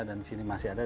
dan di sini masih ada